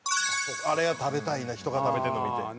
あれ食べたいな人が食べてるのを見て。